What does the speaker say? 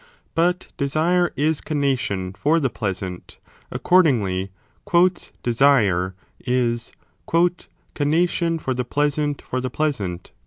But desire is conation for the pleasant : accordingly, desire is conation for the 40 pleasant for the pleasant